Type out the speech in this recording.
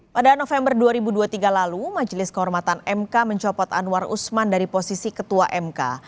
pada november dua ribu dua puluh tiga lalu majelis kehormatan mk mencopot anwar usman dari posisi ketua mk